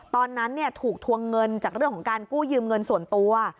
ตอนนั้นถูกทวงเงินจากเรื่องของการกู้ยืมเงินส่วนตัว